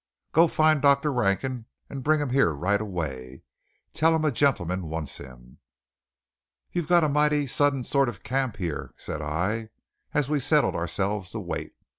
"Go find Dr. Rankin and bring him here right away. Tell him a gentleman wants him." "You've got a mighty sudden sort of camp here," said I, as we settled ourselves to wait.